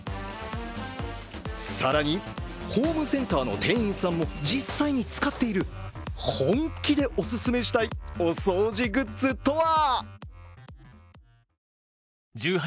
更に、ホームセンターの店員さんも実際に使っている本気でおすすめしたいお掃除グッズとは？